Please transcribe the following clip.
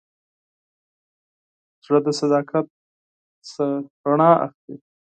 زړه د صداقت نه رڼا اخلي.